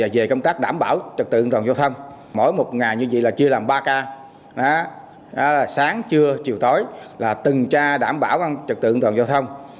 đảm bảo trật tự an toàn giao thông mỗi một ngày như vậy là chưa làm ba k sáng trưa chiều tối là từng tra đảm bảo an trật tự an toàn giao thông